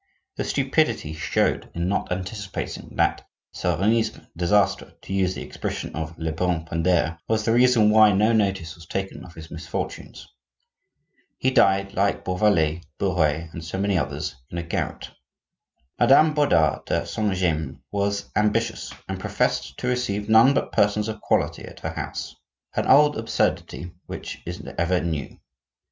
The stupidity he showed in not anticipating that "serenissime disaster," to use the expression of Lebrun Pindare, was the reason why no notice was taken of his misfortunes. He died, like Bourvalais, Bouret, and so many others, in a garret. Madame Bodard de Saint James was ambitious, and professed to receive none but persons of quality at her house,—an old absurdity which is ever new.